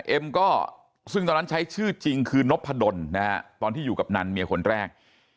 เอ็มก็ซึ่งตอนนั้นใช้ชื่อจริงคือนพดลนะฮะตอนที่อยู่กับนันเมียคนแรก